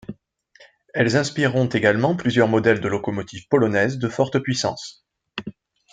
Elles inspireront également plusieurs modèles de locomotives polonaises de forte puissance.